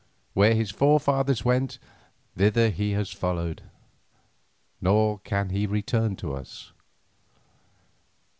Where his forefathers went, thither he has followed, nor can he return to us.